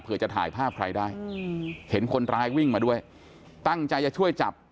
เพื่อจะถ่ายภาพใครได้เห็นคนร้ายวิ่งมาด้วยตั้งใจจะช่วยจับ